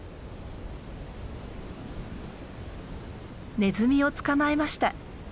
ネズミを捕まえました。